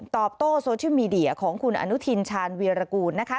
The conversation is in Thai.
ตอบโต้โซเชียลมีเดียของคุณอนุทินชาญวีรกูลนะคะ